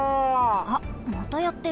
あっまたやってる。